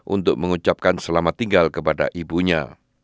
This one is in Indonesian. untuk mengucapkan selamat tinggal kepada ibunya